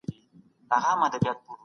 تاسو د خپلو اعمالو مسول یاست.